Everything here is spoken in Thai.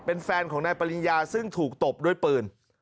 เป็นแฟนของนายปริญญาซึ่งถูกตบด้วยปืน